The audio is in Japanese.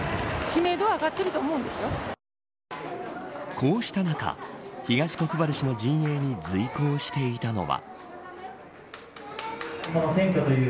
こうした中東国原氏の陣営に随行していたのは。